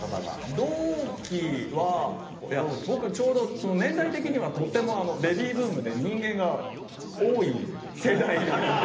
同期は僕ちょうど年代的にはとってもベビーブームで人間が多い世代なので。